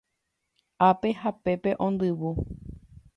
Ápe ha pépe ondyvu